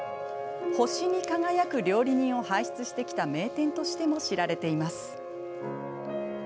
星に輝く料理人を輩出してきた名店としても知られています。